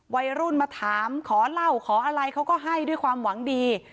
วัยรุ่นมาถามขอเล่าขออะไรเขาก็ให้ด้วยความหวังดี